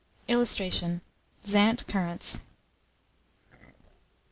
[Illustration: ZANTE CURRANTS.